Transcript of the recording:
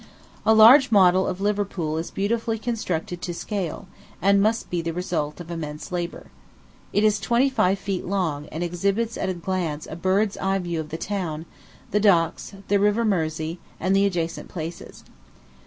A large model of Liverpool is beautifully constructed to scale, and must be the result of immense labor. It is twenty five feet long, and exhibits at a glance a bird's eye view of the town, the docks, the River Mersey, and the adjacent places.